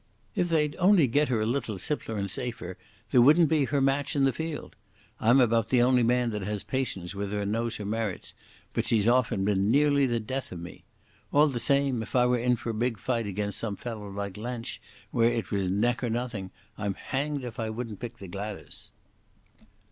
If they'd only get her a little simpler and safer, there wouldn't be her match in the field. I'm about the only man that has patience with her and knows her merits, but she's often been nearly the death of me. All the same, if I were in for a big fight against some fellow like Lensch, where it was neck or nothing, I'm hanged if I wouldn't pick the Gladas."